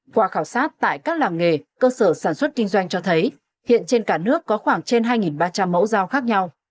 qua khảo sát tại các làng nghề cơ sở sản xuất kinh doanh cho thấy hiện trên cả nước có khoảng trên hai ba trăm linh mẫu dao khác nhau